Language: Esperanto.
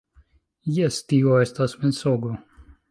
- Jes, - Tio estas mensogo.